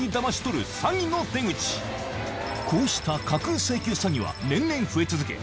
こうした架空請求詐欺は年々増え続け